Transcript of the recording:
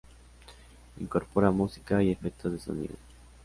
Incorpora música y efectos de sonido.